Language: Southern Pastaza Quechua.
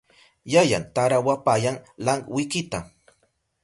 Yayan tarawapayan lankwikita.